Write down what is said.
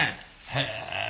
へえ！